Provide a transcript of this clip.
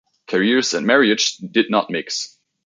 Careers and marriage did not mix.